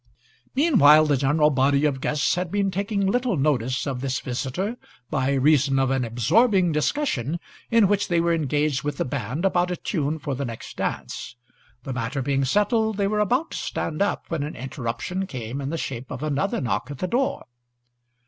Meanwhile the general body of guests had been taking little notice of this visitor by reason of an absorbing discussion in which they were engaged with the band about a tune for the next dance The matter being settled, they were about to stand up, when an interruption came in the shape of another knock at the door.